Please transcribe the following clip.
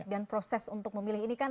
dan proses untuk memilih ini kan